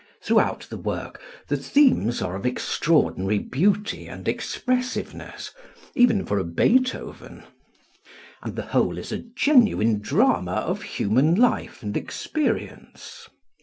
Throughout the work the themes are of extraordinary beauty and expressiveness even for a Beethoven and the whole is a genuine drama of human life and experience.